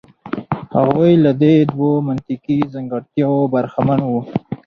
هغوی له دې دوو منطقي ځانګړتیاوو برخمن وو.